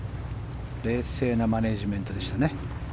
冷静なマネジメントでしたね。